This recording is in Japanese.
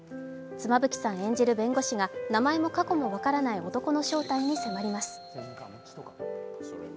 妻夫木さん演じる弁護士が名前も過去も分からない男の正体に迫ります。